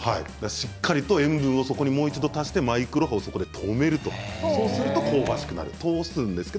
しっかりと塩分もそこに足してマイクロ波を止めるとそうすると香ばしくなると。